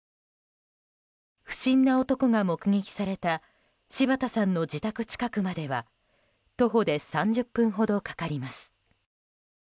不審な男が目撃された柴田さんの自宅近くまでは徒歩で３０分ほどかかります。